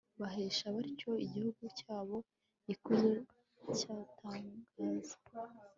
bahesha batyo igihugu cyabo ikuzo ry'agatangaza